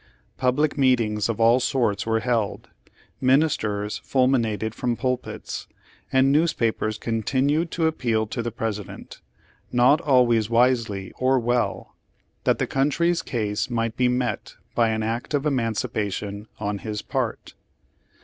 Public meetings of all sorts were held ; ministers fulmin ated from pulpits, and newspapers continued to appeal to the President, not always wisely or well, that the country's case might be met by an act of emancipation on his part.